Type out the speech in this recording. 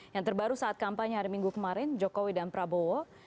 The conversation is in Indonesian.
yang terbaru saat kampanye hari minggu kemarin jokowi dan prabowo